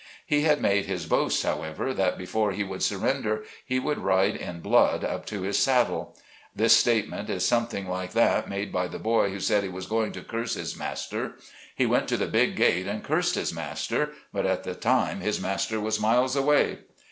He had made his boast, however, that before he would surrender he would ride in blood up to his saddle. This statement is something like that made by the boy who said he was going to curse his mas ter ; he went to the big gate and cursed his master, but at the time his master was miles away.